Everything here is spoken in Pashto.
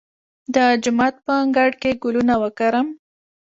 د جومات په انګړ کې ګلونه وکرم؟